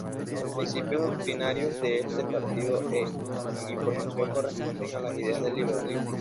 Los principios doctrinarios de este partido en formación corresponden a las ideas del liberalismo.